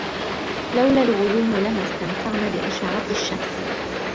لولا الغيوم لما استمتعنا بأشعة الشمس.